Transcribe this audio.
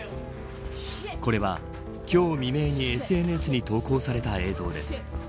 これは、今日未明にＳＮＳに投稿された映像です。